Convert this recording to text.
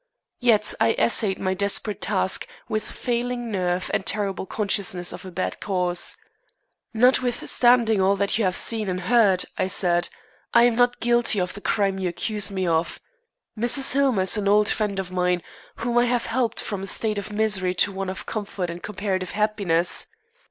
Yet I essayed my desperate task with failing nerve and terrible consciousness of a bad cause. "Notwithstanding all that you have seen and heard," I said, "I am not guilty of the crime you accuse me of. Mrs. Hillmer is an old friend of mine, whom I have helped from a state of misery to one of comfort and comparative happiness.